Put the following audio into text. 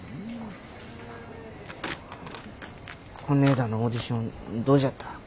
こねえだのオーディションどうじゃった？